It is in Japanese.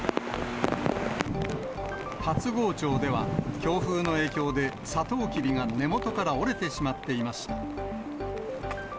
龍郷町では、強風の影響で、サトウキビが根元から折れてしまっていました。